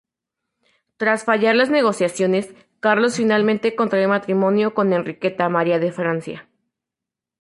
Tras fallar las negociaciones, Carlos finalmente contrae matrimonio con Enriqueta María de Francia.